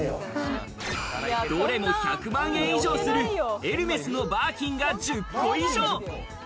どれも１００万円以上するＨＥＲＭＥＳのバーキンが１０個以上。